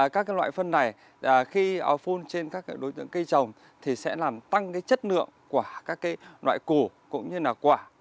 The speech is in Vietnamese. các loại phân này khi phun trên các đối tượng cây trồng sẽ làm tăng chất lượng quả các loại củ cũng như là quả